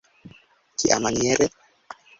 Kiamaniere?